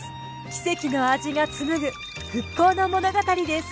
奇跡の味が紡ぐ復興の物語です。